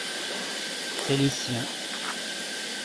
C’est les siens.